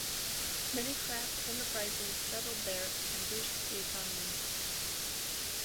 Many craft enterprises settled there and boost the economy.